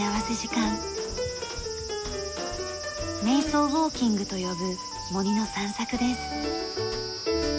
瞑想ウォーキングと呼ぶ森の散策です。